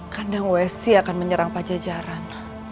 kandang wesi akan menyerang pak jajaran